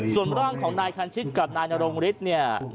ส่วนร่างของนายคันชิตกับนายนรงฤทธิ์เนี่ย